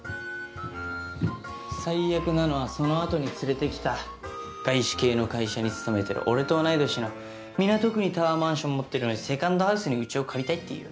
最悪なのはその後に連れてきた外資系の会社に勤めてる俺と同い年の港区にタワーマンション持ってるのにセカンドハウスにうちを借りたいっていう。